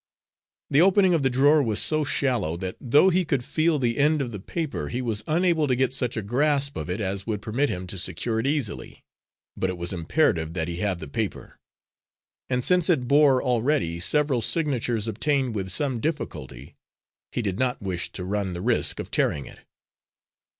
The opening for the drawer was so shallow that though he could feel the end of the paper, he was unable to get such a grasp of it as would permit him to secure it easily. But it was imperative that he have the paper; and since it bore already several signatures obtained with some difficulty, he did not wish to run the risk of tearing it.